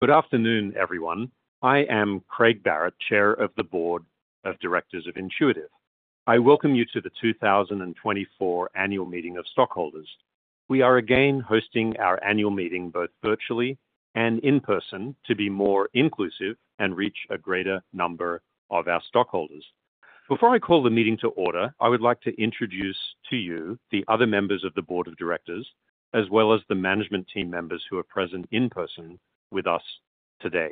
Good afternoon, everyone. I am Craig Barrett, Chair of the Board of Directors of Intuitive. I welcome you to the 2024 Annual Meeting of Stockholders. We are again hosting our annual meeting both virtually and in person to be more inclusive and reach a greater number of our stockholders. Before I call the meeting to order, I would like to introduce to you the other members of the Board of Directors, as well as the management team members who are present in person with us today.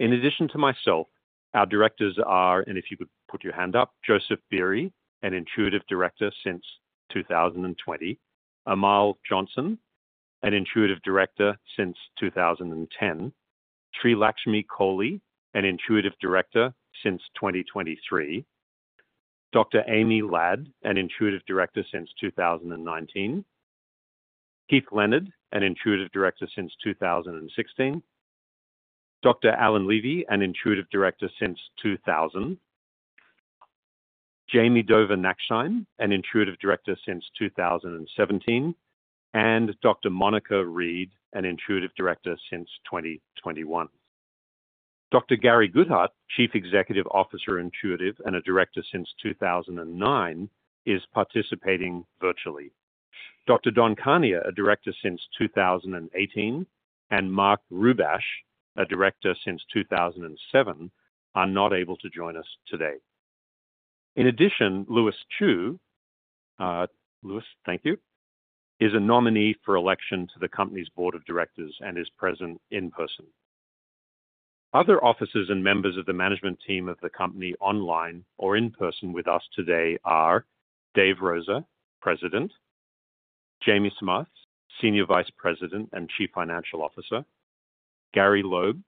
In addition to myself, our directors are, and if you could put your hand up, Joseph Beery, an Intuitive director since 2020. Amal Johnson, an Intuitive director since 2010. Sreelakshmi Kolli, an Intuitive director since 2023. Dr. Amy Ladd, an Intuitive director since 2019. Keith Leonard, an Intuitive director since 2016. Dr. Alan Levy, an Intuitive director since 2000. Jami Dover Nachtsheim, an Intuitive director since 2017, and Dr. Monica Reed, an Intuitive director since 2021. Dr. Gary Guthart, Chief Executive Officer, Intuitive, and a director since 2009, is participating virtually. Dr. Don Kania, a director since 2018, and Mark Rubash, a director since 2007, are not able to join us today. In addition, Lewis Chew, Lewis, thank you, is a nominee for election to the company's board of directors and is present in person. Other officers and members of the management team of the company, online or in person with us today are: Dave Rosa, President; Jamie Samath, Senior Vice President and Chief Financial Officer; Gary Loeb,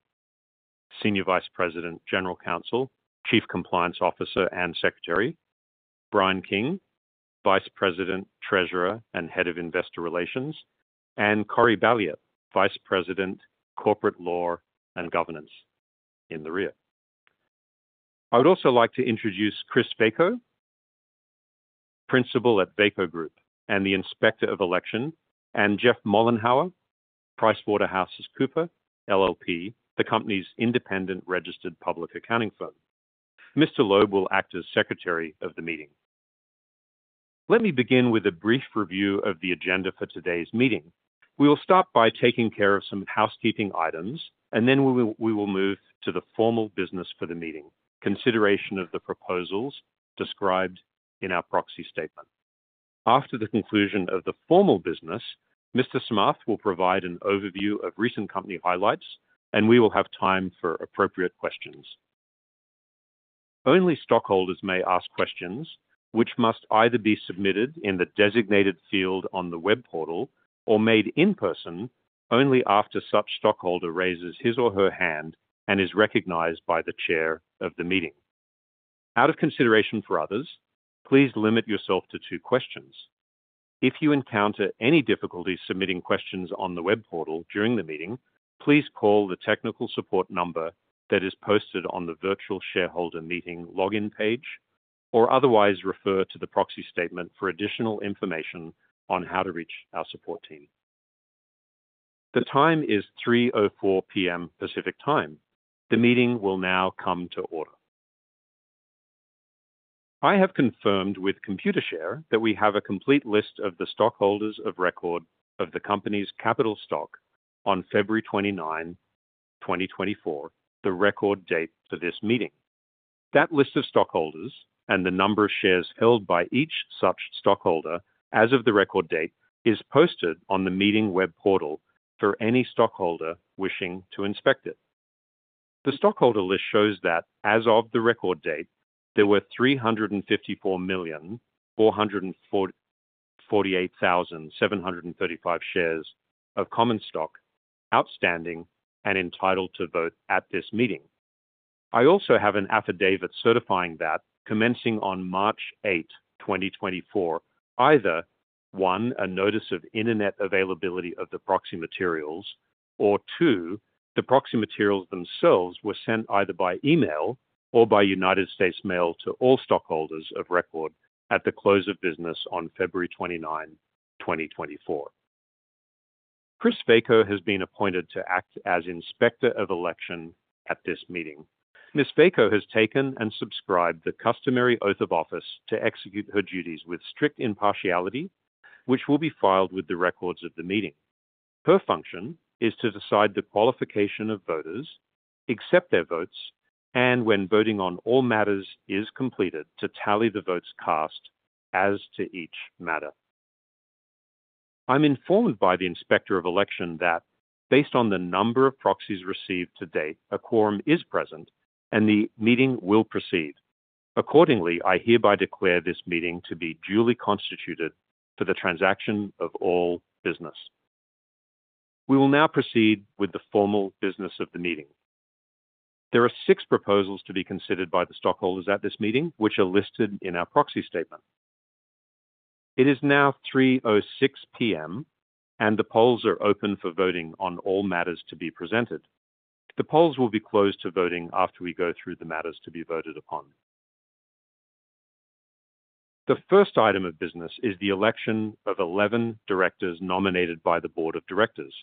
Senior Vice President, General Counsel, Chief Compliance Officer, and Secretary; Brian King, Vice President, Treasurer, and Head of Investor Relations; and Kara Balliet, Vice President, Corporate Law and Governance, in the rear. I would also like to introduce Kris Veaco, Principal at Veaco Group and the Inspector of Election, and Jeff Mollenhauer, PricewaterhouseCoopers, LLP, the company's independent registered public accounting firm. Mr. Loeb will act as secretary of the meeting. Let me begin with a brief review of the agenda for today's meeting. We will start by taking care of some housekeeping items, and then we will move to the formal business for the meeting: consideration of the proposals described in our proxy statement. After the conclusion of the formal business, Mr. Samath will provide an overview of recent company highlights, and we will have time for appropriate questions. Only stockholders may ask questions, which must either be submitted in the designated field on the web portal or made in person only after such stockholder raises his or her hand and is recognized by the chair of the meeting. Out of consideration for others, please limit yourself to two questions. If you encounter any difficulties submitting questions on the web portal during the meeting, please call the technical support number that is posted on the virtual shareholder meeting login page, or otherwise refer to the proxy statement for additional information on how to reach our support team. The time is 3:04 P.M. Pacific Time. The meeting will now come to order. I have confirmed with Computershare that we have a complete list of the stockholders of record of the company's capital stock on February 29, 2024, the record date for this meeting. That list of stockholders and the number of shares held by each such stockholder as of the record date, is posted on the meeting web portal for any stockholder wishing to inspect it. The stockholder list shows that as of the record date, there were 354,448,735 shares of common stock outstanding and entitled to vote at this meeting. I also have an affidavit certifying that commencing on March 8th, 2024, either (1) a notice of internet availability of the proxy materials, or (2) the proxy materials themselves were sent either by email or by United States mail to all stockholders of record at the close of business on February 29, 2024. Kris Veaco has been appointed to act as Inspector of Election at this meeting. Ms. Veaco has taken and subscribed the customary oath of office to execute her duties with strict impartiality, which will be filed with the records of the meeting. Her function is to decide the qualification of voters, accept their votes, and when voting on all matters is completed, to tally the votes cast as to each matter. I'm informed by the Inspector of Election that based on the number of proxies received to date, a quorum is present, and the meeting will proceed. Accordingly, I hereby declare this meeting to be duly constituted for the transaction of all business. We will now proceed with the formal business of the meeting. There are six proposals to be considered by the stockholders at this meeting, which are listed in our proxy statement. It is now 3:36 P.M., and the polls are open for voting on all matters to be presented. The polls will be closed to voting after we go through the matters to be voted upon.... The first item of business is the election of 11 directors nominated by the board of directors.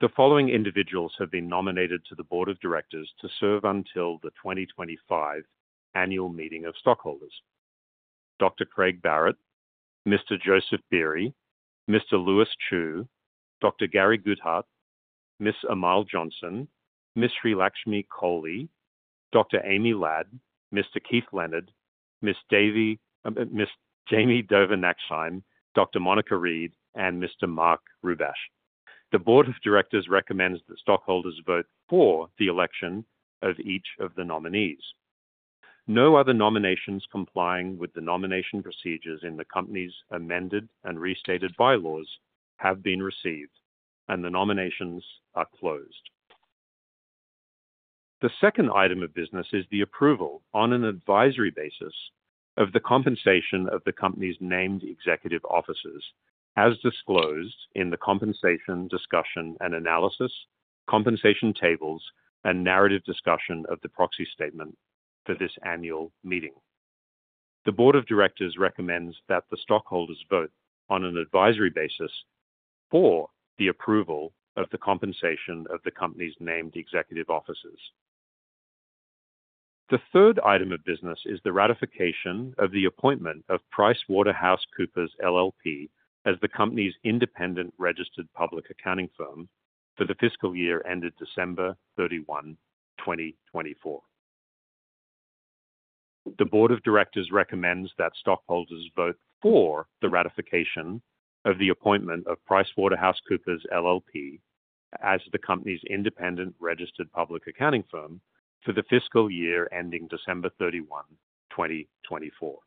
The following individuals have been nominated to the board of directors to serve until the 2025 annual meeting of stockholders: Dr. Craig Barrett, Mr. Joseph Beery, Mr. Lewis Chew, Dr. Gary Guthart, Ms. Amal Johnson, Ms. Sreelakshmi Kolli, Dr. Amy Ladd, Mr. Keith Leonard, Ms. Jami Dover Nachtsheim, Dr. Monica Reed, and Mr. Mark Rubash. The board of directors recommends that stockholders vote for the election of each of the nominees. No other nominations complying with the nomination procedures in the company's amended and restated bylaws have been received, and the nominations are closed. The second item of business is the approval on an advisory basis of the compensation of the company's named executive officers, as disclosed in the compensation discussion and analysis, compensation tables, and narrative discussion of the proxy statement for this annual meeting. The board of directors recommends that the stockholders vote on an advisory basis for the approval of the compensation of the company's named executive officers. The third item of business is the ratification of the appointment of PricewaterhouseCoopers, LLP, as the company's independent registered public accounting firm for the fiscal year ended December 31, 2024. The board of directors recommends that stockholders vote for the ratification of the appointment of PricewaterhouseCoopers, LLP, as the company's independent registered public accounting firm for the fiscal year ending December 31, 2024.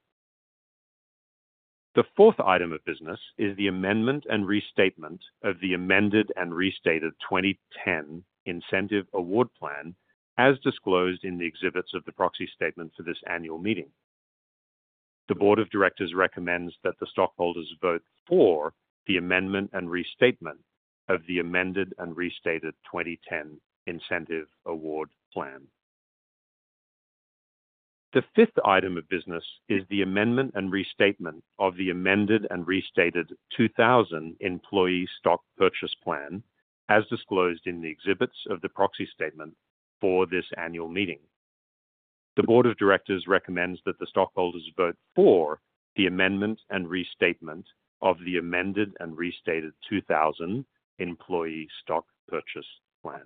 The fourth item of business is the amendment and restatement of the amended and restated 2010 incentive award plan, as disclosed in the exhibits of the proxy statement for this annual meeting. The board of directors recommends that the stockholders vote for the amendment and restatement of the amended and restated 2010 incentive award plan. The fifth item of business is the amendment and restatement of the amended and restated 2000 employee stock purchase plan, as disclosed in the exhibits of the proxy statement for this annual meeting. The board of directors recommends that the stockholders vote for the amendment and restatement of the amended and restated 2000 employee stock purchase plan.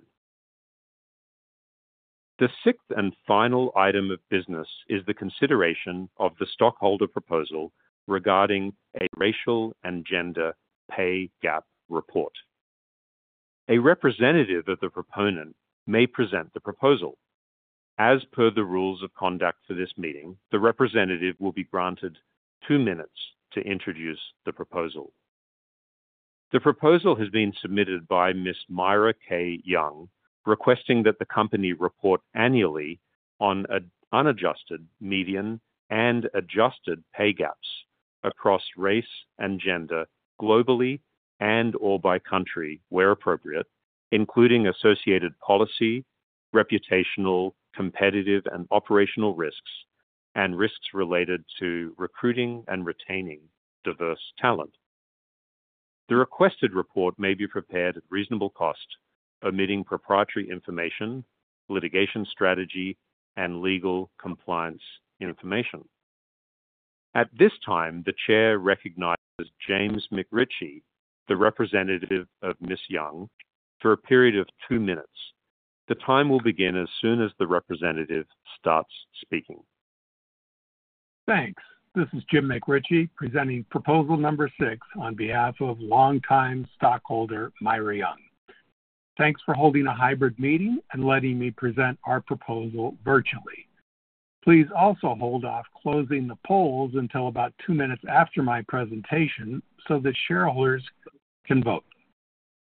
The sixth and final item of business is the consideration of the stockholder proposal regarding a racial and gender pay gap report. A representative of the proponent may present the proposal. As per the rules of conduct for this meeting, the representative will be granted two minutes to introduce the proposal. The proposal has been submitted by Ms. Myra K. Young, requesting that the company report annually on an unadjusted, median, and adjusted pay gaps across race and gender, globally and or by country, where appropriate, including associated policy, reputational, competitive, and operational risks, and risks related to recruiting and retaining diverse talent. The requested report may be prepared at reasonable cost, omitting proprietary information, litigation strategy, and legal compliance information. At this time, the chair recognizes James McRitchie, the representative of Ms. Young, for a period of two minutes. The time will begin as soon as the representative starts speaking. Thanks. This is Jim McRitchie, presenting proposal number six on behalf of longtime stockholder, Myra K. Young. Thanks for holding a hybrid meeting and letting me present our proposal virtually. Please also hold off closing the polls until about two minutes after my presentation, so that shareholders can vote.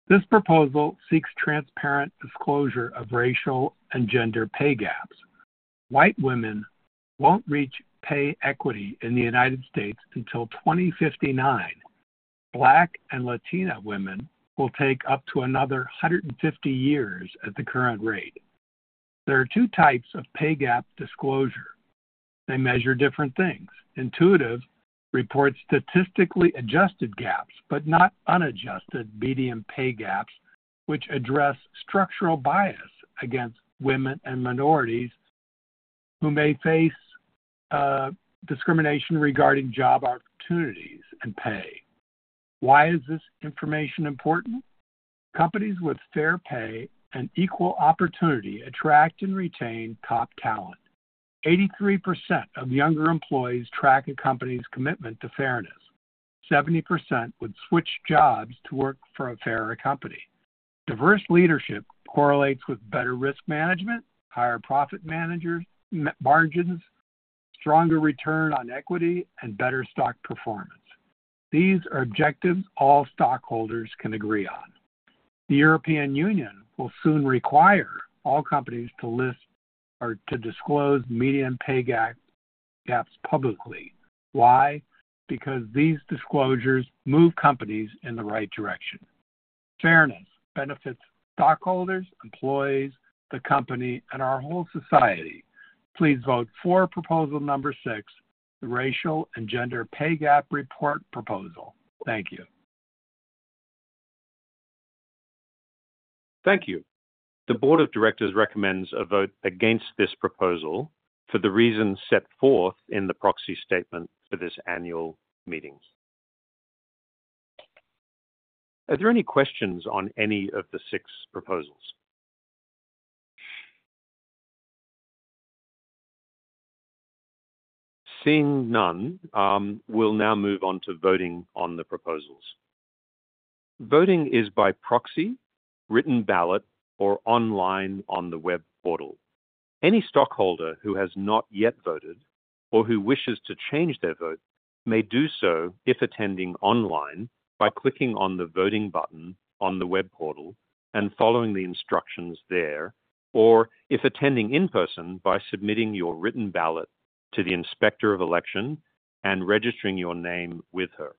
This proposal seeks transparent disclosure of racial and gender pay gaps. White women won't reach pay equity in the United States until 2059. Black and Latina women will take up to another 150 years at the current rate. There are two types of pay gap disclosure. They measure different things. Intuitive reports statistically adjusted gaps, but not unadjusted median pay gaps, which address structural bias against women and minorities who may face discrimination regarding job opportunities and pay. Why is this information important? Companies with fair pay and equal opportunity attract and retain top talent. 83% of younger employees track a company's commitment to fairness. 70% would switch jobs to work for a fairer company. Diverse leadership correlates with better risk management, higher profit managers, margins, stronger return on equity, and better stock performance. These are objectives all stockholders can agree on. The European Union will soon require all companies to list or to disclose median pay gap, gaps publicly. Why? Because these disclosures move companies in the right direction. Fairness benefits stockholders, employees, the company, and our whole society. Please vote for proposal number six, the Racial and Gender Pay Gap Report proposal. Thank you. Thank you. The board of directors recommends a vote against this proposal for the reasons set forth in the proxy statement for this annual meeting. Are there any questions on any of the six proposals? Seeing none, we'll now move on to voting on the proposals. Voting is by proxy, written ballot, or online on the web portal. Any stockholder who has not yet voted or who wishes to change their vote may do so, if attending online, by clicking on the voting button on the web portal and following the instructions there, or if attending in person, by submitting your written ballot to the Inspector of Election and registering your name with her.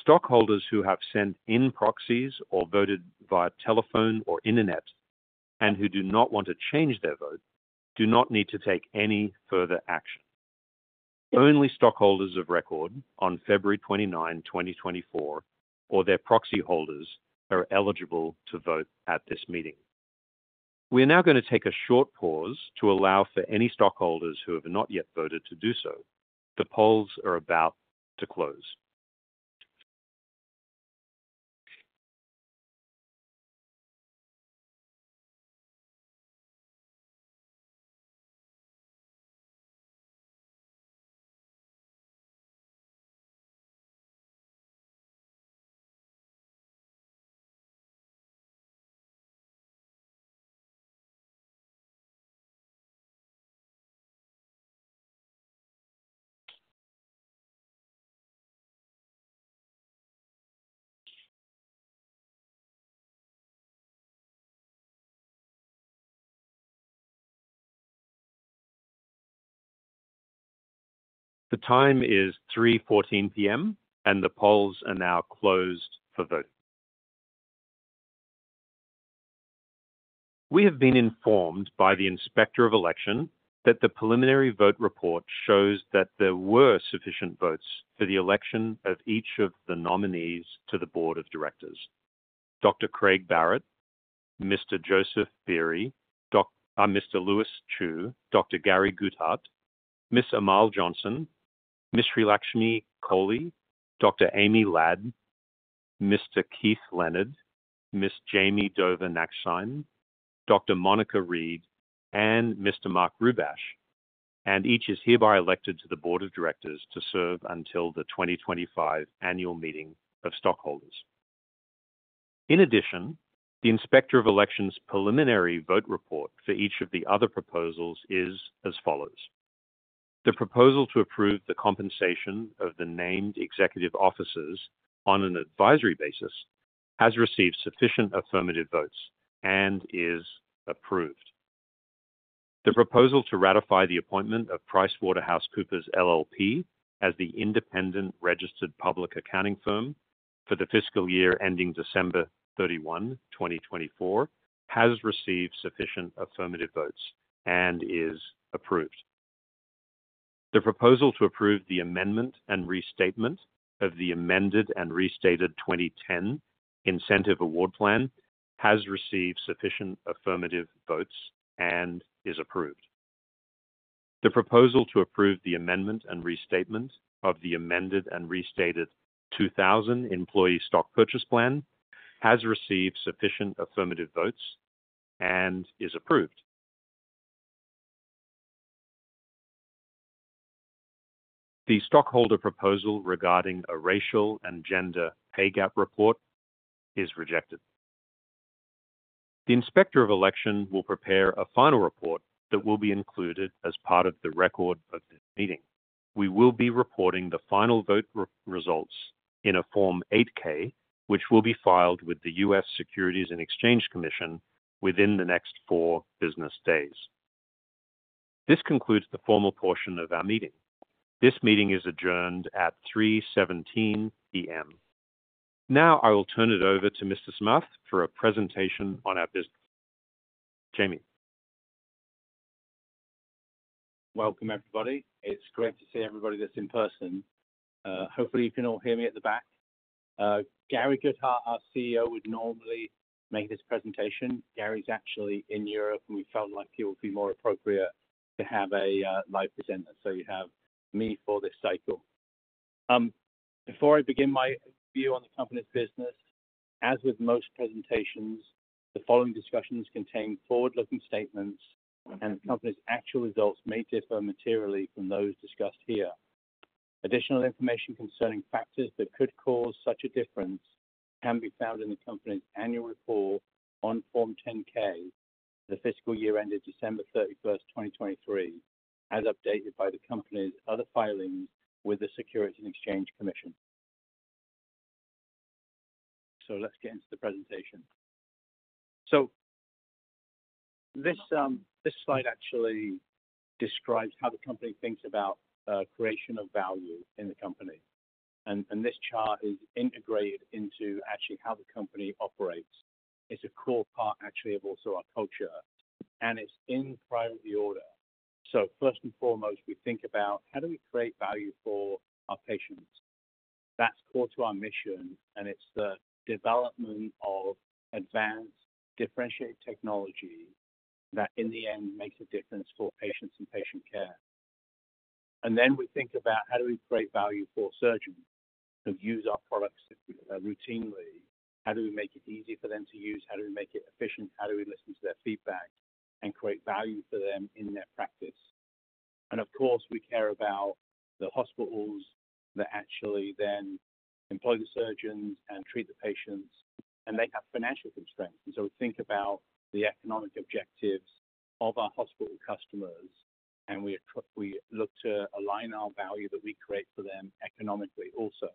Stockholders who have sent in proxies or voted via telephone or internet and who do not want to change their vote, do not need to take any further action. Only stockholders of record on February 29, 2024, or their proxy holders are eligible to vote at this meeting. We are now gonna take a short pause to allow for any stockholders who have not yet voted to do so. The polls are about to close. The time is 3:14 P.M., and the polls are now closed for voting. We have been informed by the Inspector of Election that the preliminary vote report shows that there were sufficient votes for the election of each of the nominees to the board of directors: Dr. Craig Barrett, Mr. Joseph Beery, Mr. Lewis Chew, Dr. Gary Guthart, Ms. Amal Johnson, Ms. Sreelakshmi Kolli, Dr. Amy Ladd, Mr. Keith Leonard, Ms. Jami Dover Nachtsheim, Dr. Monica Reed, and Mr. Mark Rubash, and each is hereby elected to the board of directors to serve until the 2025 annual meeting of stockholders. In addition, the Inspector of Elections preliminary vote report for each of the other proposals is as follows: The proposal to approve the compensation of the named executive officers on an advisory basis has received sufficient affirmative votes and is approved. The proposal to ratify the appointment of PricewaterhouseCoopers, LLP, as the independent registered public accounting firm for the fiscal year ending December 31, 2024, has received sufficient affirmative votes and is approved. The proposal to approve the amendment and restatement of the amended and restated 2010 incentive award plan has received sufficient affirmative votes and is approved. The proposal to approve the amendment and restatement of the amended and restated 2000 employee stock purchase plan has received sufficient affirmative votes and is approved. The stockholder proposal regarding a racial and gender pay gap report is rejected. The Inspector of Election will prepare a final report that will be included as part of the record of this meeting. We will be reporting the final vote results in a Form 8-K, which will be filed with the U.S. Securities and Exchange Commission within the next four business days. This concludes the formal portion of our meeting. This meeting is adjourned at 3:17 P.M. Now, I will turn it over to Mr. Samath for a presentation on our business. Jamie? Welcome, everybody. It's great to see everybody that's in person. Hopefully, you can all hear me at the back. Gary Guthart, our CEO, would normally make this presentation. Gary's actually in Europe, and we felt like it would be more appropriate to have a live presenter, so you have me for this cycle. Before I begin my view on the company's business, as with most presentations, the following discussions contain forward-looking statements, and the company's actual results may differ materially from those discussed here. Additional information concerning factors that could cause such a difference can be found in the company's annual report on Form 10-K, the fiscal year ended December 31st, 2023, as updated by the company's other filings with the Securities and Exchange Commission. Let's get into the presentation. This slide actually describes how the company thinks about creation of value in the company. And this chart is integrated into actually how the company operates. It's a core part, actually, of also our culture, and it's in priority order. So first and foremost, we think about: How do we create value for our patients? That's core to our mission, and it's the development of advanced, differentiated technology that, in the end, makes a difference for patients and patient care. And then we think about: How do we create value for surgeons who use our products routinely? How do we make it easy for them to use? How do we make it efficient? How do we listen to their feedback and create value for them in their practice? Of course, we care about the hospitals that actually then employ the surgeons and treat the patients, and they have financial constraints. So we think about the economic objectives of our hospital customers, and we look to align our value that we create for them economically also.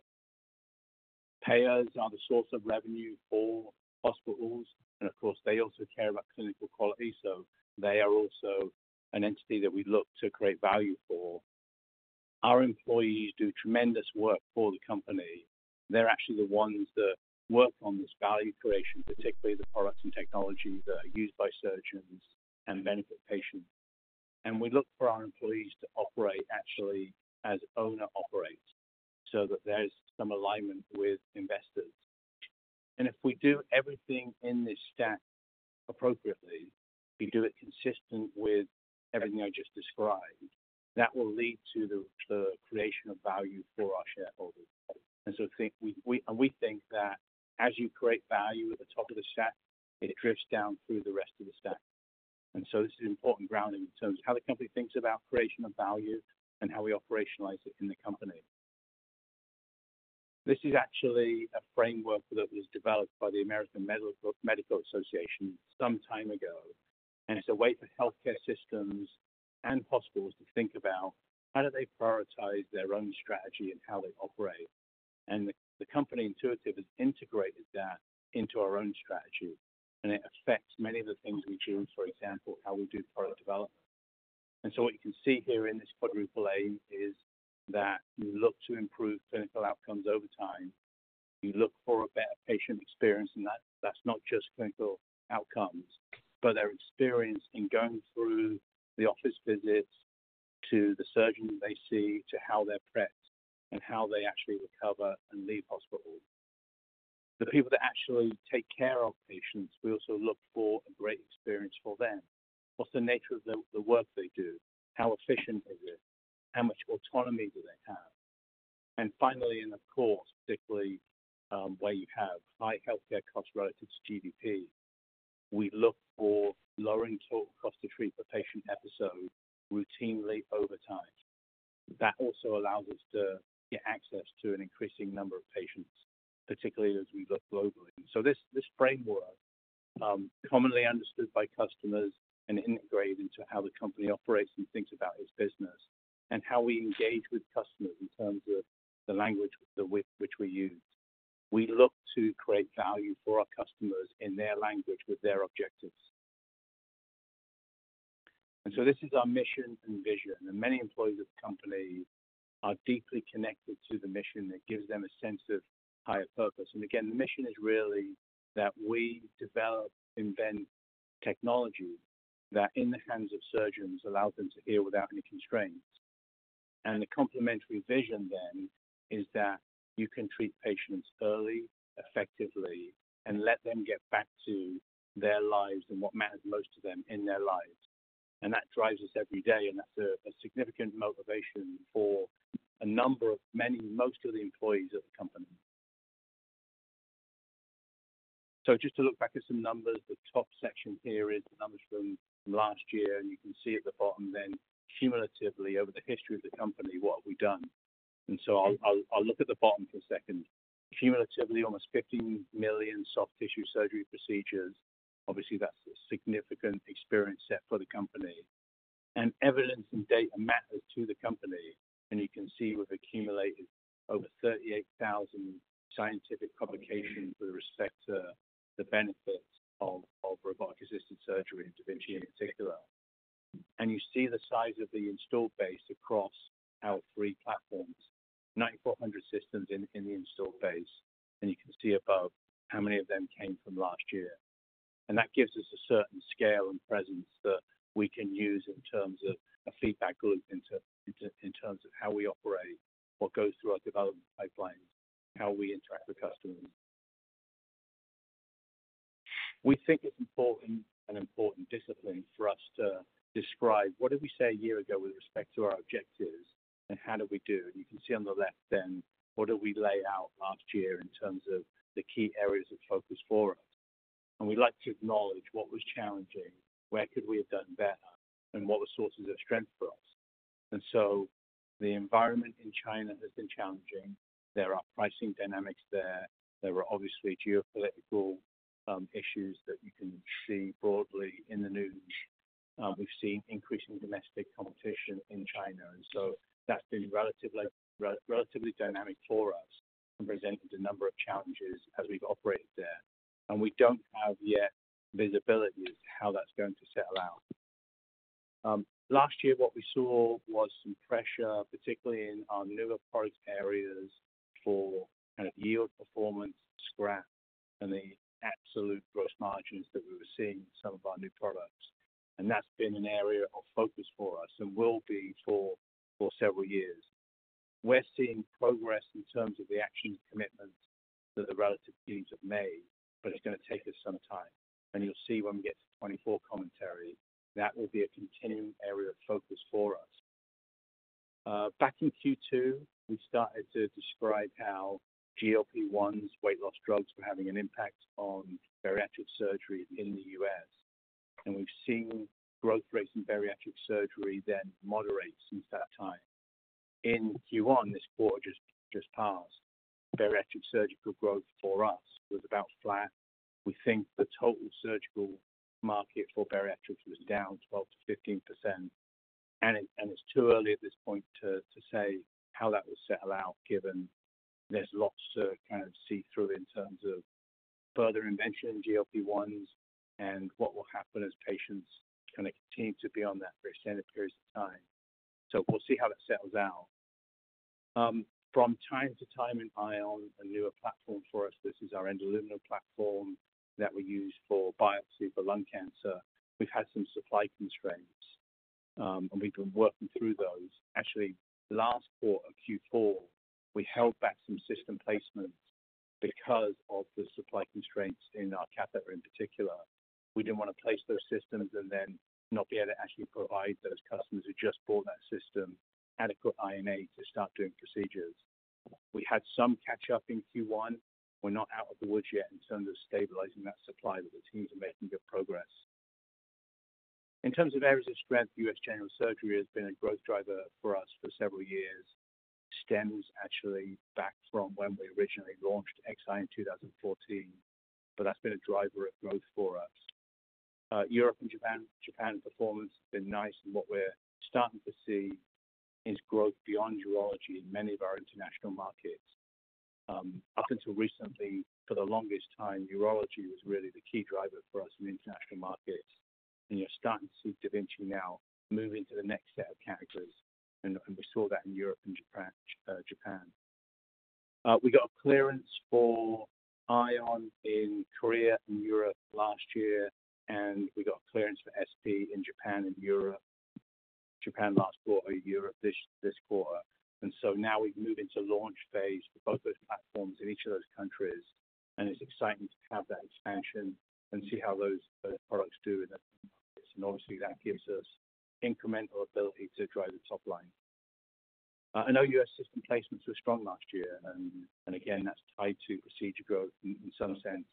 Payers are the source of revenue for hospitals, and of course, they also care about clinical quality, so they are also an entity that we look to create value for. Our employees do tremendous work for the company. They're actually the ones that work on this value creation, particularly the products and technologies that are used by surgeons and benefit patients. We look for our employees to operate actually as owner operates, so that there's some alignment with investors. If we do everything in this stack appropriately, we do it consistent with everything I just described, that will lead to the creation of value for our shareholders. We think that as you create value at the top of the stack, it drifts down through the rest of the stack. This is important grounding in terms of how the company thinks about creation of value and how we operationalize it in the company. This is actually a framework that was developed by the American Medical Association some time ago, and it's a way for healthcare systems and hospitals to think about how they prioritize their own strategy and how they operate. The company, Intuitive, has integrated that into our own strategy, and it affects many of the things we do, for example, how we do product development. So what you can see here in this quadruple aim is that we look to improve clinical outcomes over time. We look for a better patient experience, and that's not just clinical outcomes, but their experience in going through the office visits, to the surgeon they see, to how they're prepped, and how they actually recover and leave hospital. The people that actually take care of patients, we also look for a great experience for them. What's the nature of the work they do? How efficient is it? How much autonomy do they have? And finally, and of course, particularly, where you have high healthcare costs relative to GDP, we look for lowering total cost to treat the patient episode routinely over time. That also allows us to get access to an increasing number of patients, particularly as we look globally. So this, this framework, commonly understood by customers and integrated into how the company operates and thinks about its business and how we engage with customers in terms of the language with which we use. We look to create value for our customers in their language, with their objectives. And so this is our mission and vision, and many employees of the company are deeply connected to the mission that gives them a sense of higher purpose. And again, the mission is really that we develop, invent technology that, in the hands of surgeons, allows them to heal without any constraints. The complementary vision then is that you can treat patients early, effectively, and let them get back to their lives and what matters most to them in their lives. And that drives us every day, and that's a significant motivation for a number of many, most of the employees of the company. So just to look back at some numbers, the top section here is the numbers from last year, and you can see at the bottom then, cumulatively, over the history of the company, what we've done. And so I'll look at the bottom for a second. Cumulatively, almost 15 million soft tissue surgery procedures. Obviously, that's a significant experience set for the company. Evidence and data matters to the company, and you can see we've accumulated over 38,000 scientific publications with respect to the benefits of robotic-assisted surgery, da Vinci in particular. You see the size of the installed base across our three platforms, 9,400 systems in the installed base, and you can see above how many of them came from last year. That gives us a certain scale and presence that we can use in terms of a feedback loop in terms of how we operate, what goes through our development pipelines, how we interact with customers. We think it's important, an important discipline for us to describe: What did we say a year ago with respect to our objectives, and how did we do? You can see on the left then what did we lay out last year in terms of the key areas of focus for us. We'd like to acknowledge what was challenging, where could we have done better, and what were sources of strength for us. So the environment in China has been challenging. There are pricing dynamics there. There are obviously geopolitical issues that you can see broadly in the news. We've seen increasing domestic competition in China, and so that's been relatively, relatively dynamic for us and presented a number of challenges as we've operated there. We don't have yet visibility as to how that's going to settle out. Last year, what we saw was some pressure, particularly in our newer product areas, for kind of yield performance, scrap, and the absolute gross margins that we were seeing in some of our new products. That's been an area of focus for us and will be for several years. We're seeing progress in terms of the action commitments for the relative views of May, but it's going to take us some time. You'll see when we get to 2024 commentary, that will be a continuing area of focus for us. Back in Q2, we started to describe how GLP-1s weight loss drugs were having an impact on bariatric surgery in the U.S. We've seen growth rates in bariatric surgery then moderate since that time. In Q1, this quarter just passed, bariatric surgical growth for us was about flat. We think the total surgical market for bariatrics was down 12%-15%, and it's too early at this point to say how that will settle out, given there's lots to kind of see through in terms of further invention in GLP-1s and what will happen as patients kind of continue to be on that for extended periods of time. So we'll see how that settles out. From time to time in Ion, a newer platform for us, this is our endoluminal platform that we use for biopsy for lung cancer. We've had some supply constraints, and we've been working through those. Actually, last quarter, Q4, we held back some system placements because of the supply constraints in our catheter in particular. We didn't want to place those systems and then not be able to actually provide those customers who just bought that system adequate I&A to start doing procedures. We had some catch up in Q1. We're not out of the woods yet in terms of stabilizing that supply, but the teams are making good progress. In terms of areas of strength, U.S. general surgery has been a growth driver for us for several years. Stems actually back from when we originally launched Xi in 2014, but that's been a driver of growth for us. Europe and Japan, Japan's performance has been nice, and what we're starting to see is growth beyond urology in many of our international markets. Up until recently, for the longest time, urology was really the key driver for us in international markets, and you're starting to see da Vinci now move into the next set of categories, and we saw that in Europe and Japan, Japan. We got a clearance for Ion in Korea and Europe last year, and we got clearance for SP in Japan and Europe. Japan last quarter, Europe this quarter. And so now we've moved into launch phase for both those platforms in each of those countries, and it's exciting to have that expansion and see how those products do in the markets. And obviously, that gives us incremental ability to drive the top line. I know U.S. system placements were strong last year, and again, that's tied to procedure growth in some sense.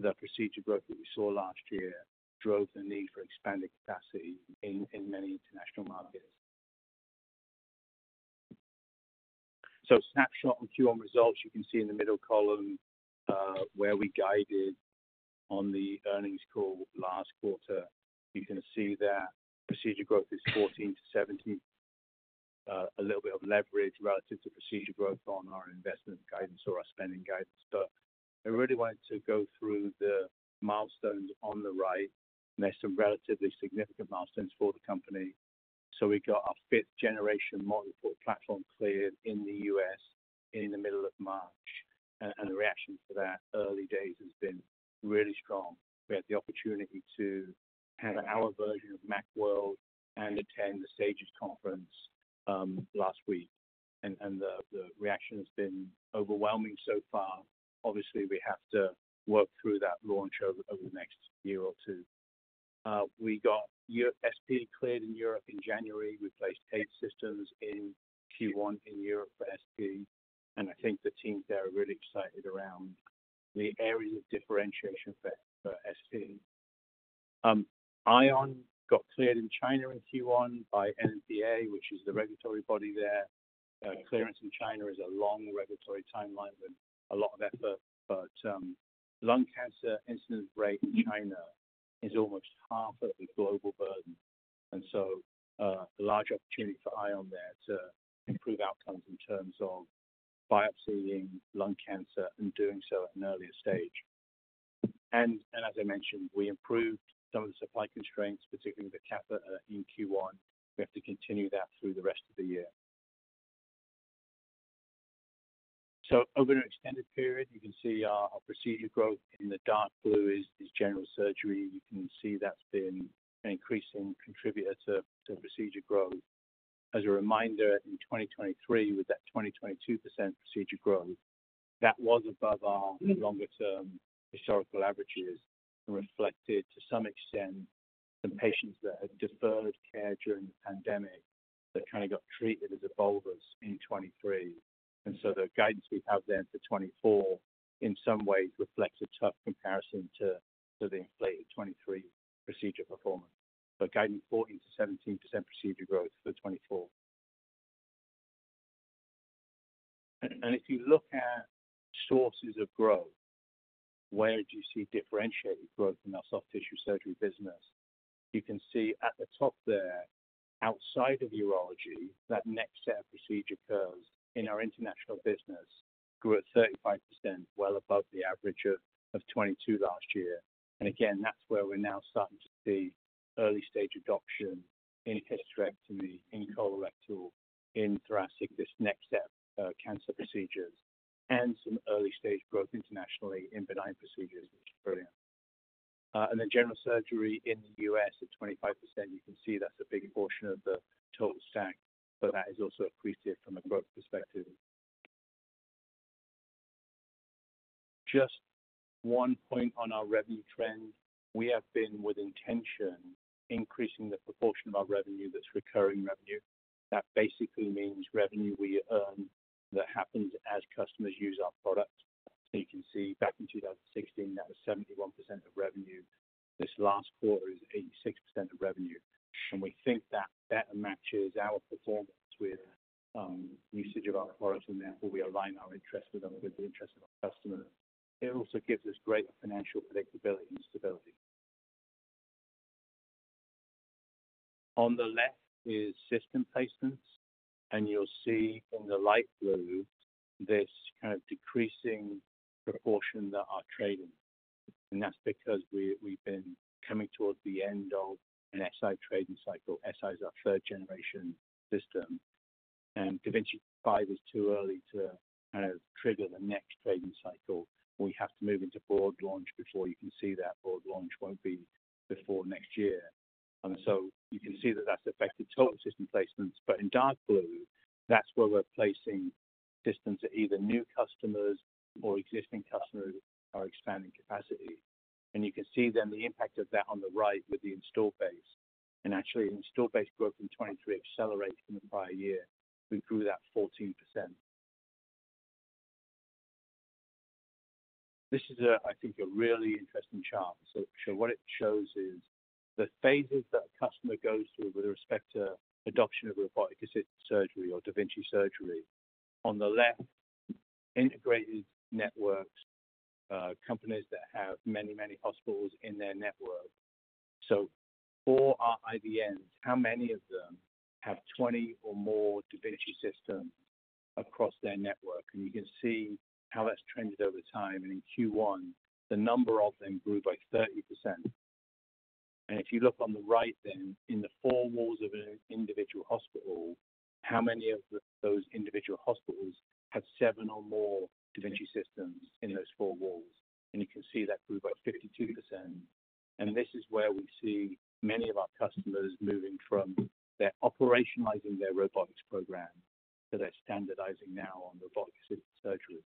The procedure growth that we saw last year drove the need for expanded capacity in many international markets. So snapshot on Q1 results, you can see in the middle column, where we guided on the earnings call last quarter. You can see that procedure growth is 14-17, a little bit of leverage relative to procedure growth on our investment guidance or our spending guidance. So I really wanted to go through the milestones on the right. There's some relatively significant milestones for the company. So we got our fifth-generation platform cleared in the U.S. in the middle of March, and the reaction to that, early days, has been really strong. We had the opportunity to have our version of Macworld and attend the SAGES conference last week, and the reaction has been overwhelming so far. Obviously, we have to work through that launch over, over the next year or two. We got Europe SP cleared in Europe in January. We placed eight systems in Q1 in Europe for SP, and I think the teams there are really excited around the areas of differentiation for, for SP. Ion got cleared in China in Q1 by NMPA, which is the regulatory body there. Clearance in China is a long regulatory timeline and a lot of effort, but, lung cancer incidence rate in China is almost half of the global burden, and so, a large opportunity for Ion there to improve outcomes in terms of biopsying lung cancer and doing so at an earlier stage. And as I mentioned, we improved some of the supply constraints, particularly the catheter in Q1. We have to continue that through the rest of the year. So over an extended period, you can see our procedure growth in the dark blue is general surgery. You can see that's been an increasing contributor to procedure growth. As a reminder, in 2023, with that 22% procedure growth, that was above our longer-term historical averages and reflected, to some extent, some patients that had deferred care during the pandemic that kind of got treated as electives in 2023. And so the guidance we have then for 2024, in some ways reflects a tough comparison to the inflated 2023 procedure performance. But guidance 14%-17% procedure growth for 2024. And if you look at sources of growth, where do you see differentiated growth in our soft tissue surgery business? You can see at the top there, outside of urology, that next set of procedure curves in our international business grew at 35%, well above the average of 22% last year. And again, that's where we're now starting to see early-stage adoption in hysterectomy, in colorectal, in thoracic, this next set of cancer procedures, and some early-stage growth internationally in benign procedures, which is brilliant. And then general surgery in the U.S. at 25%, you can see that's a big portion of the total stack, but that is also appreciated from a growth perspective. Just one point on our revenue trend. We have been, with intention, increasing the proportion of our revenue that's recurring revenue. That basically means revenue we earn that happens as customers use our products. So you can see back in 2016, that was 71% of revenue. This last quarter is 86% of revenue, and we think that better matches our performance with usage of our products, and therefore, we align our interests with the, with the interests of our customers. It also gives us greater financial predictability and stability. On the left is system placements, and you'll see in the light blue this kind of decreasing proportion that are trading. And that's because we've been coming towards the end of an Xi trading cycle. Xi is our third-generation system, and da Vinci 5 is too early to kind of trigger the next trading cycle. We have to move into broad launch before you can see that. Broad launch won't be before next year. And so you can see that that's affected total system placements. But in dark blue, that's where we're placing systems at either new customers or existing customers who are expanding capacity. And you can see then the impact of that on the right with the install base. And actually, install base growth in 2023 accelerated from the prior year. We grew that 14%. This is a, I think, a really interesting chart. So what it shows is the phases that a customer goes through with respect to adoption of robotic-assisted surgery or da Vinci surgery. On the left, integrated networks, companies that have many, many hospitals in their network. So for our IDNs, how many of them have 20 or more da Vinci systems across their network? And you can see how that's trended over time, and in Q1, the number of them grew by 30%. And if you look on the right, then in the four walls of an individual hospital, how many of those individual hospitals have seven or more da Vinci systems in those four walls? And you can see that grew by 52%. And this is where we see many of our customers moving from. They're operationalizing their robotics program, so they're standardizing now on robotic-assisted surgery.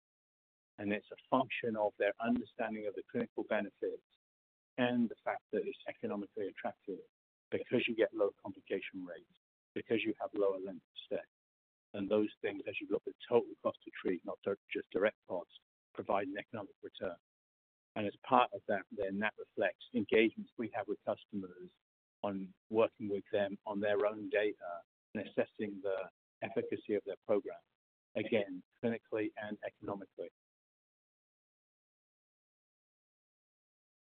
And it's a function of their understanding of the clinical benefits and the fact that it's economically attractive because you get low complication rates, because you have lower length of stay. And those things, as you look at total cost to treat, not just direct costs, provide an economic return. And as part of that, then that reflects engagements we have with customers on working with them on their own data and assessing the efficacy of their program, again, clinically and economically.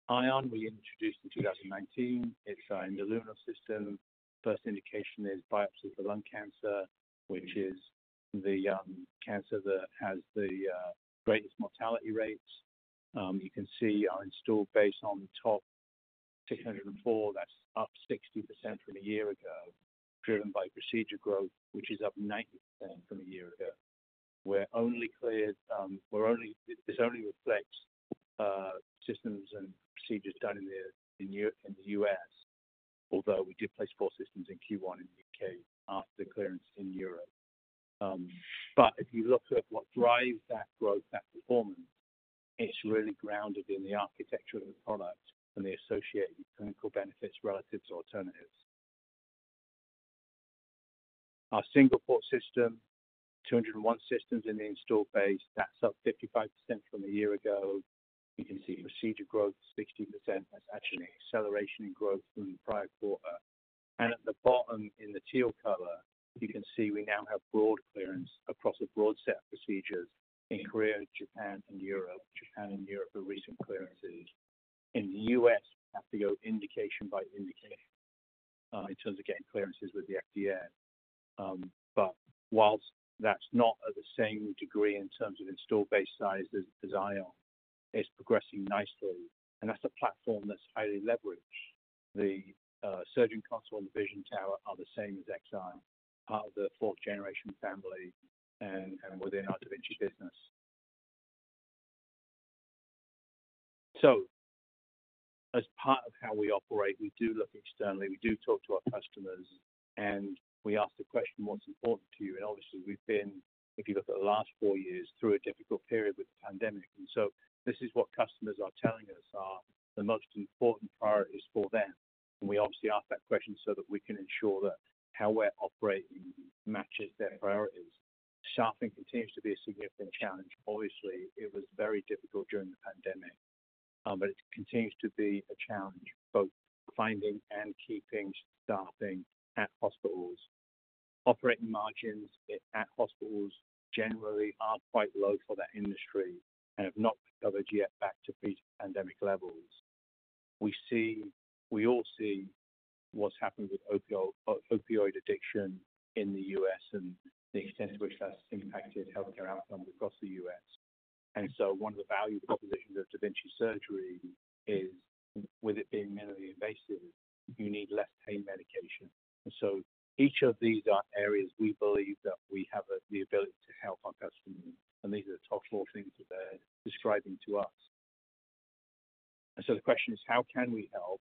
Ion, we introduced in 2019. It's our endoluminal system. First indication is biopsies for lung cancer, which is the cancer that has the greatest mortality rates. You can see our installed base on the top, 604, that's up 60% from a year ago, driven by procedure growth, which is up 90% from a year ago. We're only cleared, this only reflects systems and procedures done in the U.S., although we did place four systems in Q1 in the U.K. after the clearance in Europe. But if you look at what drives that growth, that performance, it's really grounded in the architecture of the product and the associated clinical benefits relative to alternatives. Our single-port system, 201 systems in the installed base, that's up 55% from a year ago. You can see procedure growth, 60%. That's actually an acceleration in growth from the prior quarter. At the bottom in the teal color, you can see we now have broad clearance across a broad set of procedures in Korea, Japan, and Europe. Japan and Europe are recent clearances. In the U.S., we have to go indication by indication, in terms of getting clearances with the FDA. But whilst that's not at the same degree in terms of installed base size as, as Ion, it's progressing nicely, and that's a platform that's highly leveraged. The surgeon console and vision tower are the same as Xi, part of the fourth-generation family and, and within our da Vinci business. So as part of how we operate, we do look externally, we do talk to our customers, and we ask the question: "What's important to you?" And obviously, we've been, if you look at the last four years, through a difficult period with the pandemic. And so this is what customers are telling us are the most important priorities for them. And we obviously ask that question so that we can ensure that how we're operating matches their priorities. Staffing continues to be a significant challenge. Obviously, it was very difficult during the pandemic. But it continues to be a challenge, both finding and keeping staffing at hospitals. Operating margins at hospitals generally are quite low for that industry and have not recovered yet back to pre-pandemic levels. We see, we all see what's happened with opioid, opioid addiction in the U.S. and the extent to which that's impacted healthcare outcomes across the U.S. And so one of the value propositions of da Vinci surgery is, with it being minimally invasive, you need less pain medication. And so each of these are areas we believe that we have the, the ability to help our customers, and these are the top four things that they're describing to us. And so the question is: how can we help?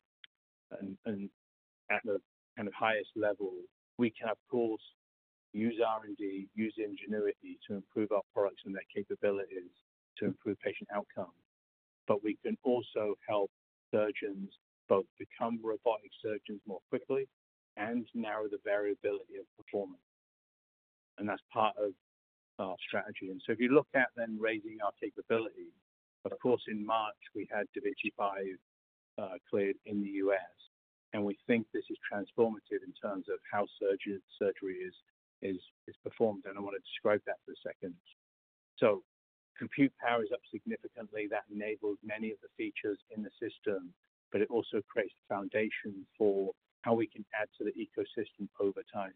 And, and at the kind of highest level, we can, of course, use R&D, use ingenuity to improve our products and their capabilities to improve patient outcomes. But we can also help surgeons both become robotic surgeons more quickly and narrow the variability of performance, and that's part of our strategy. If you look at then raising our capability, of course, in March, we had da Vinci 5 cleared in the U.S., and we think this is transformative in terms of how surgery is performed, and I want to describe that for a second. Compute power is up significantly. That enables many of the features in the system, but it also creates the foundation for how we can add to the ecosystem over time.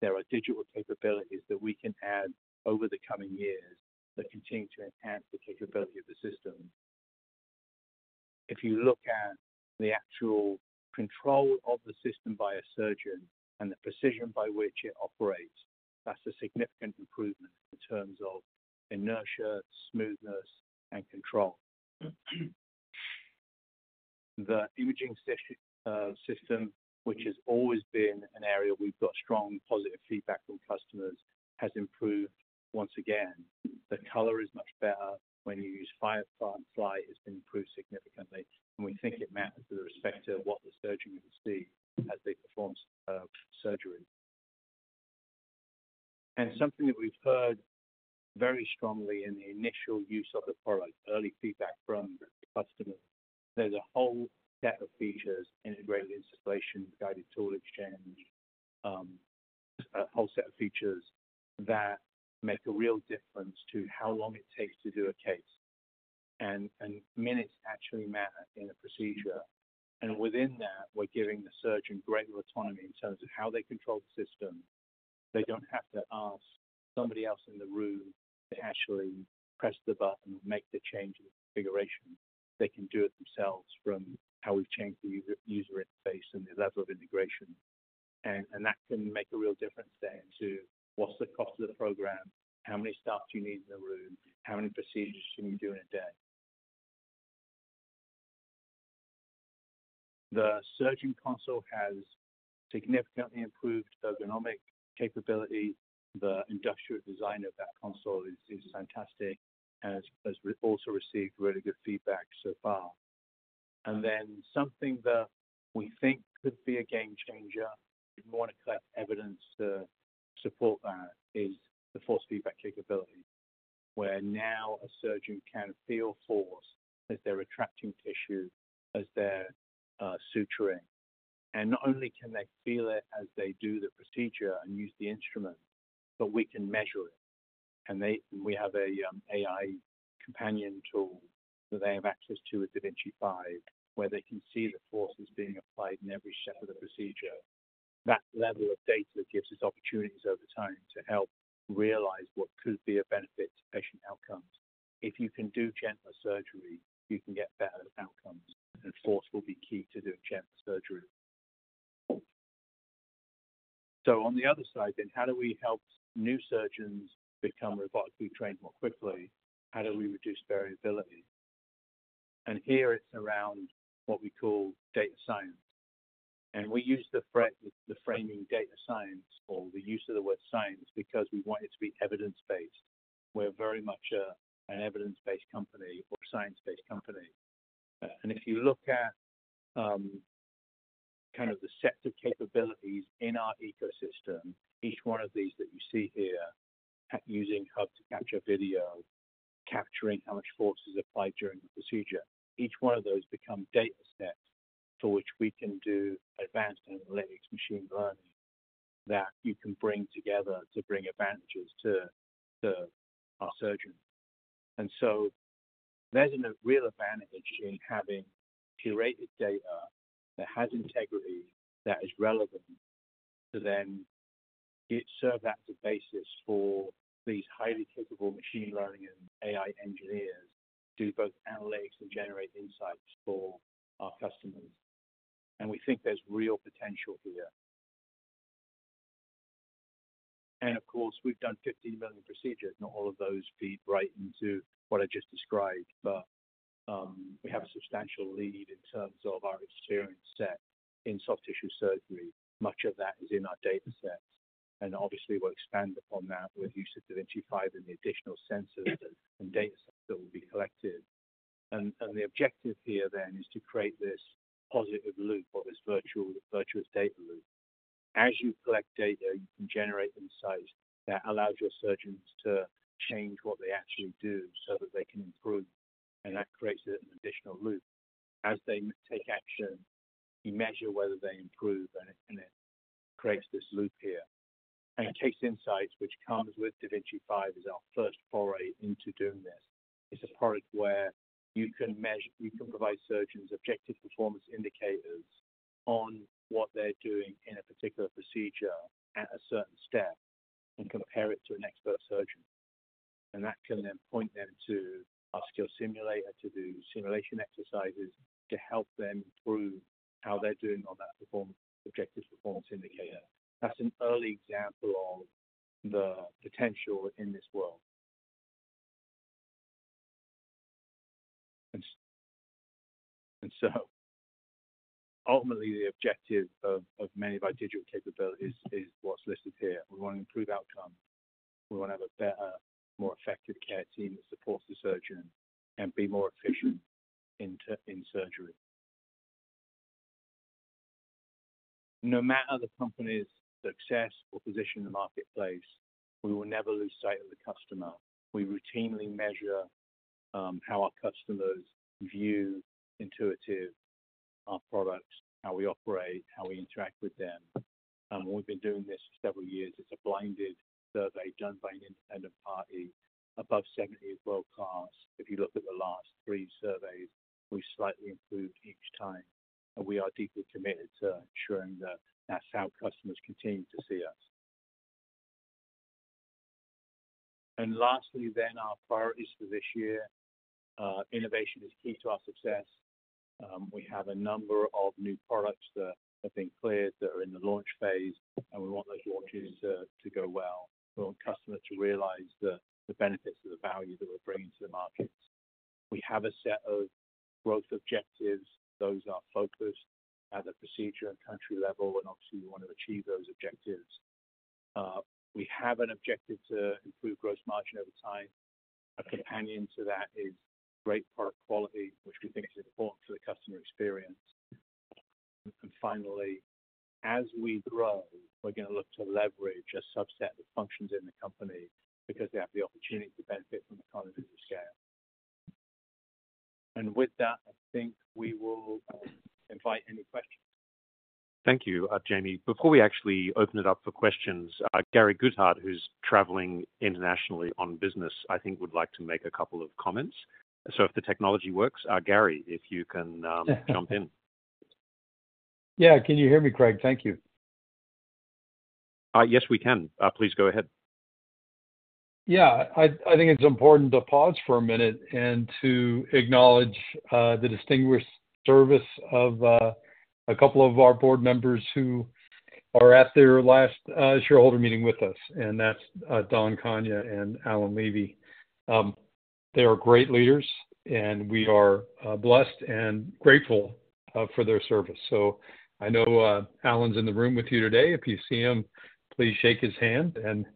There are digital capabilities that we can add over the coming years that continue to enhance the capability of the system. If you look at the actual control of the system by a surgeon and the precision by which it operates, that's a significant improvement in terms of inertia, smoothness, and control. The imaging system, which has always been an area we've got strong positive feedback from customers, has improved once again. The color is much better. When you use Firefly, it's improved significantly, and we think it matters with respect to what the surgeon will see as they perform surgery. Something that we've heard very strongly in the initial use of the product, early feedback from the customer, there's a whole set of features, integrated installation, guided tool exchange, a whole set of features that make a real difference to how long it takes to do a case, and minutes actually matter in a procedure. Within that, we're giving the surgeon greater autonomy in terms of how they control the system. They don't have to ask somebody else in the room to actually press the button or make the change in configuration. They can do it themselves from how we've changed the user, user interface and the level of integration. And that can make a real difference then to what's the cost of the program, how many staff do you need in the room, how many procedures can you do in a day? The surgeon console has significantly improved the ergonomic capability. The industrial design of that console is fantastic and has also received really good feedback so far. And then something that we think could be a game changer, we want to collect evidence to support that, is the force feedback capability, where now a surgeon can feel force as they're retracting tissue, as they're suturing. And not only can they feel it as they do the procedure and use the instrument, but we can measure it. And they... We have an AI companion tool that they have access to with da Vinci 5, where they can see the forces being applied in every step of the procedure. That level of data gives us opportunities over time to help realize what could be a benefit to patient outcomes. If you can do gentler surgery, you can get better outcomes, and force will be key to doing gentler surgery. So on the other side, then, how do we help new surgeons become robotically trained more quickly? How do we reduce variability? And here it's around what we call data science. And we use the framing data science or the use of the word science because we want it to be evidence-based. We're very much an evidence-based company or science-based company. And if you look at, kind of the set of capabilities in our ecosystem, each one of these that you see here, at using Hub to capture video, capturing how much force is applied during the procedure, each one of those become data sets to which we can do advanced analytics, machine learning, that you can bring together to bring advantages to, to our surgeons. And so there's a real advantage in having curated data that has integrity, that is relevant to then it serve as a basis for these highly capable machine learning and AI engineers to do both analytics and generate insights for our customers. And we think there's real potential here. And of course, we've done 15 million procedures. Not all of those feed right into what I just described, but we have a substantial lead in terms of our experience set in soft tissue surgery. Much of that is in our data sets, and obviously, we'll expand upon that with use of da Vinci 5 and the additional sensors and data sets that will be collected. And the objective here then is to create this positive loop or this virtuous data loop. As you collect data, you can generate insights that allows your surgeons to change what they actually do so that they can improve, and that creates an additional loop. As they take action, you measure whether they improve, and it creates this loop here. And Case Insights, which comes with da Vinci 5, is our first foray into doing this. It's a product where you can provide surgeons objective performance indicators on what they're doing in a particular procedure at a certain step and compare it to an expert surgeon. And that can then point them to our skill simulator to do simulation exercises to help them improve how they're doing on that performance, objective performance indicator. That's an early example of the potential in this world. And so ultimately, the objective of many of our digital capabilities is what's listed here. We want to improve outcome. We want to have a better, more effective care team that supports the surgeon and be more efficient in surgery. No matter the company's success or position in the marketplace, we will never lose sight of the customer. We routinely measure how our customers view Intuitive, our products, how we operate, how we interact with them. We've been doing this for several years. It's a blinded survey done by an independent party. Above 70 is world-class. If you look at the last three surveys, we've slightly improved each time, and we are deeply committed to ensuring that that's how customers continue to see us. Lastly, our priorities for this year. Innovation is key to our success. We have a number of new products that have been cleared, that are in the launch phase, and we want those launches to go well. We want customers to realize the benefits of the value that we're bringing to the markets. We have a set of growth objectives. Those are focused at a procedure and country level, and obviously, we want to achieve those objectives. We have an objective to improve gross margin over time. A companion to that is great product quality, which we think is important to the customer experience. And finally, as we grow, we're going to look to leverage a subset of functions in the company because they have the opportunity to benefit from economies of scale. And with that, I think we will invite any questions. Thank you, Jamie. Before we actually open it up for questions, Gary Guthart, who's traveling internationally on business, I think, would like to make a couple of comments. So if the technology works, Gary, if you can, jump in. Yeah. Can you hear me, Craig? Thank you. Yes, we can. Please go ahead. Yeah. I think it's important to pause for a minute and to acknowledge the distinguished service of a couple of our board members who are at their last shareholder meeting with us, and that's Don Kania and Alan Levy. They are great leaders, and we are blessed and grateful for their service. So I know Alan's in the room with you today. If you see him, please shake his hand. And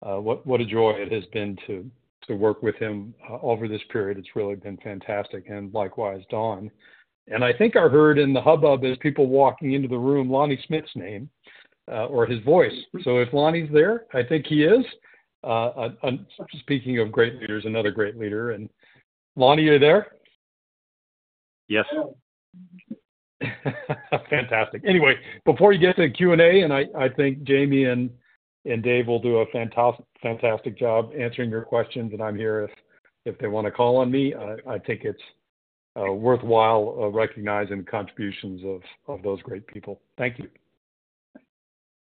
what a joy it has been to work with him over this period. It's really been fantastic, and likewise, Don. And I think I heard in the hubbub, as people walking into the room, Lonnie Smith's name or his voice. So if Lonnie's there, I think he is. Speaking of great leaders, another great leader. And Lonnie, are you there? Yes. Fantastic. Anyway, before we get to the Q&A, and I think Jamie and Dave will do a fantastic job answering your questions, and I'm here if they want to call on me. I think it's worthwhile recognizing the contributions of those great people. Thank you.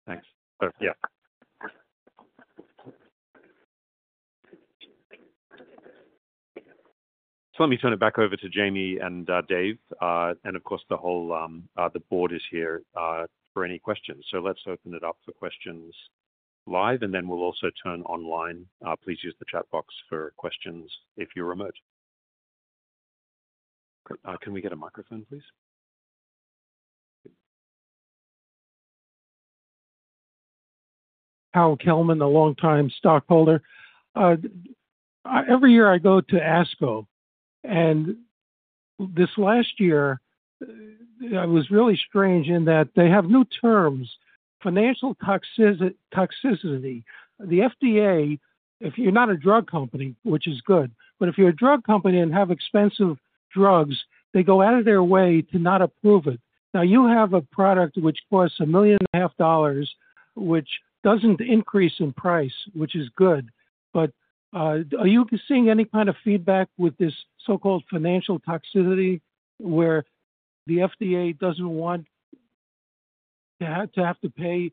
Thanks. Yeah. So let me turn it back over to Jamie and Dave. And of course, the whole board is here for any questions. So let's open it up for questions live, and then we'll also turn online. Please use the chat box for questions if you're remote. Can we get a microphone, please? Harold Kellman, a longtime stockholder. Every year I go to ASCO, and this last year, it was really strange in that they have new terms, financial toxicity. The FDA, if you're not a drug company, which is good, but if you're a drug company and have expensive drugs, they go out of their way to not approve it. Now, you have a product which costs $1.5 million, which doesn't increase in price, which is good, but are you seeing any kind of feedback with this so-called financial toxicity, where the FDA doesn't want to have, to have to pay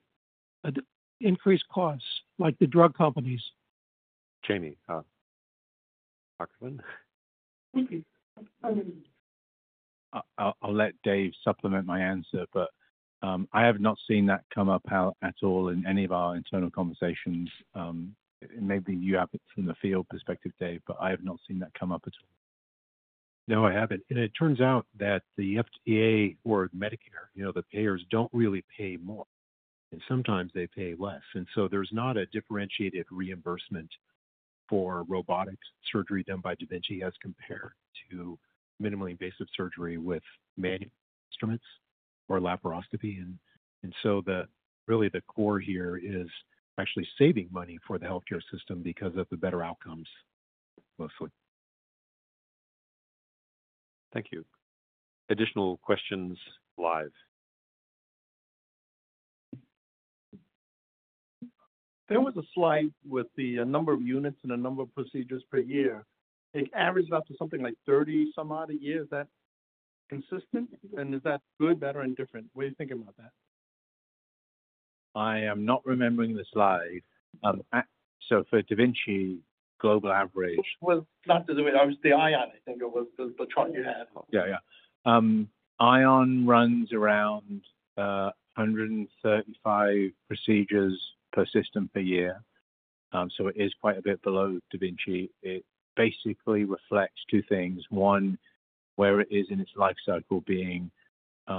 increased costs like the drug companies? Jamie, a comment. Thank you. I'll let Dave supplement my answer, but I have not seen that come up at all in any of our internal conversations. Maybe you have it from the field perspective, Dave, but I have not seen that come up at all. No, I haven't. And it turns out that the FDA or Medicare, you know, the payers don't really pay more, and sometimes they pay less. And so there's not a differentiated reimbursement- ...for robotic surgery done by da Vinci as compared to minimally invasive surgery with manual instruments or laparoscopy. So really the core here is actually saving money for the healthcare system because of the better outcomes, mostly. Thank you. Additional questions live? There was a slide with the number of units and the number of procedures per year. It averaged out to something like 30-some-odd a year. Is that consistent, and is that good, bad, or indifferent? What do you think about that? I am not remembering the slide. So for da Vinci global average- Well, not the da Vinci, obviously, the Ion, I think it was the chart you had. Yeah, yeah. Ion runs around 135 procedures per system per year. So it is quite a bit below da Vinci. It basically reflects two things. One, where it is in its life cycle being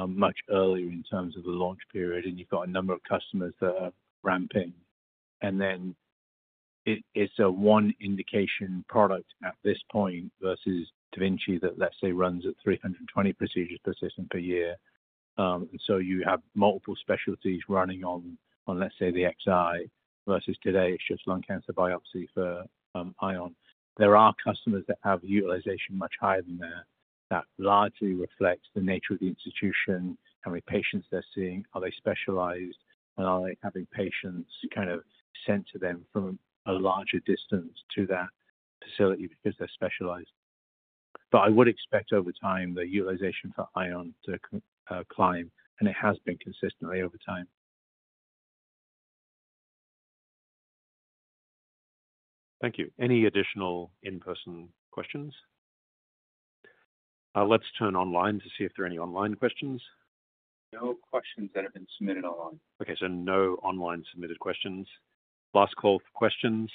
much earlier in terms of the launch period, and you've got a number of customers that are ramping. And then it, it's a one indication product at this point versus da Vinci, that let's say, runs at 320 procedures per system per year. So you have multiple specialties running on, let's say, the Xi, versus today, it's just lung cancer biopsy for Ion. There are customers that have utilization much higher than that. That largely reflects the nature of the institution, how many patients they're seeing, are they specialized, and are they having patients kind of sent to them from a larger distance to that facility because they're specialized? But I would expect over time, the utilization for Ion to climb, and it has been consistently over time. Thank you. Any additional in-person questions? Let's turn online to see if there are any online questions. No questions that have been submitted online. Okay, so no online submitted questions. Last call for questions.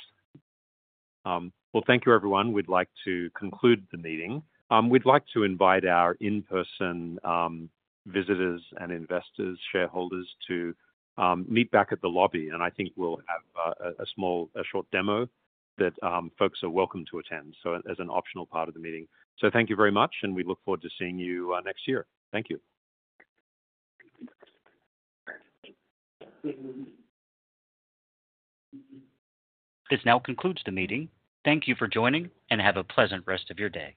Well, thank you, everyone. We'd like to conclude the meeting. We'd like to invite our in-person visitors and investors, shareholders to meet back at the lobby, and I think we'll have a small, short demo that folks are welcome to attend, so as an optional part of the meeting. So thank you very much, and we look forward to seeing you next year. Thank you. This now concludes the meeting. Thank you for joining, and have a pleasant rest of your day.